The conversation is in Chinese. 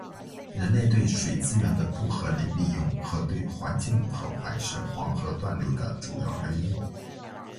人类对水资源的不合理利用和对环境的破坏是黄河断流的主要原因。